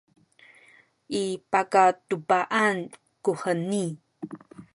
i kakaduba’an kuheni